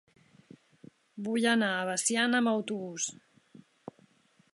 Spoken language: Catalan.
Vull anar a Veciana amb autobús.